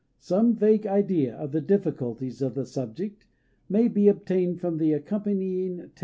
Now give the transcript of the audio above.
Some vague idea of the difficulties of the subject may be obtained from the accompanying table.